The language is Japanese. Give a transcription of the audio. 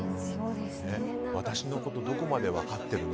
私のことどこまで分かってるの？